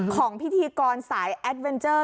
ของพิธีกรสายแอดเวนเจอร์